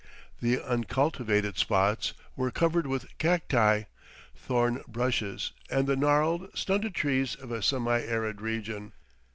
The uncultivated spots were covered with cacti, thorn bushes, and the gnarled, stunted trees of a semi arid region.